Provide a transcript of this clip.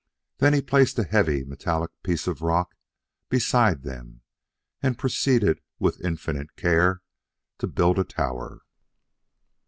Then he placed a heavy, metallic piece of rock beside them and proceeded, with infinite care, to build a tower.